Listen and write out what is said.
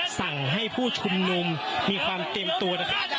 สั่งให้ผู้ชุมนุมมีความเต็มตัว